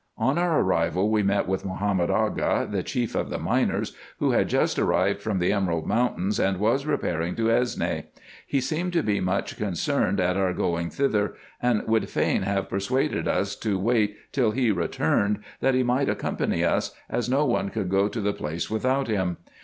On our arrival we met with Mohammed Aga, the chief of the miners, who had just arrived from the emerald mountains, and was repairing to Esne. He seemed to be much concerned at our going thither, and would fain have per suaded us to wait till he returned, that he might accompany us, as no one could go to the place without him.